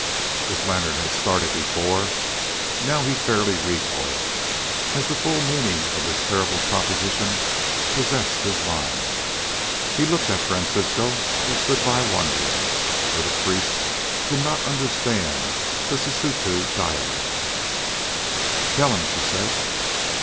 If Leonard had started before, now he fairly recoiled, as the full meaning of this terrible proposition possessed his mind. He looked at Francisco, who stood by wondering, for the priest did not understand the Sisutu dialect. "Tell him," she said.